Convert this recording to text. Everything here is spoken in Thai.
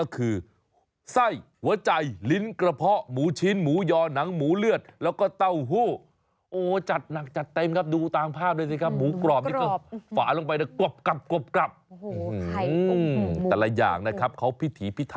ก็คือไส้